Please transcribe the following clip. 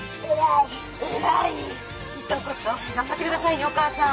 頑張って下さいねお母さん。